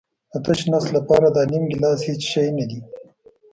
د تش نس لپاره دا نیم ګیلاس هېڅ شی نه دی.